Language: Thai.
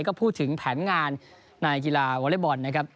ก็พูดถึงแผนงานในกีฬาวอเล็กบอลนะครับ